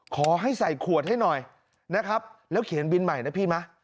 ขอให้ใส่ขวดให้หน่อยนะครับแล้วเขียนบินใหม่นะพี่มั้ย